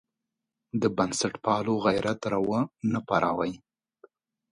د بنسټپالو غیرت راونه پاروي.